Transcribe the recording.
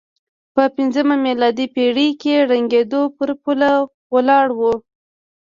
په پځمه میلادي پېړۍ کې ړنګېدو پر پوله ولاړ و.